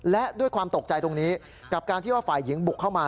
และด้วยความตกใจตรงนี้กับการที่ว่าฝ่ายหญิงบุกเข้ามา